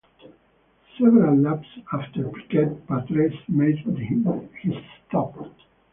Several laps after Piquet, Patrese made his stop.